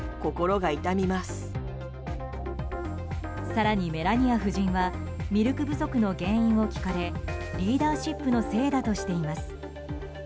更に、メラニア夫人はミルク不足の原因を聞かれリーダーシップのせいだとしています。